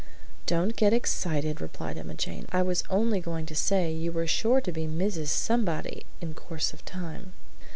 "Don't get excited," replied Emma Jane, "I was only going to say you were sure to be Mrs. Somebody in course of time."